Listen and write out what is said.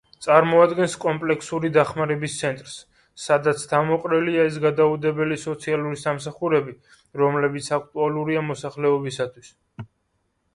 წარმოადგენს კომპლექსური დახმარების ცენტრს, სადაც თავმოყრილია ის გადაუდებელი სოციალური სამსახურები, რომლებიც აქტუალურია მოსახლეობისათვის.